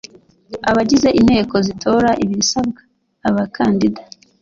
abagize inteko zitora ibisabwa abakandida